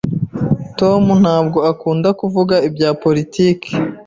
Tom ntabwo akunda kuvuga ibya politiki.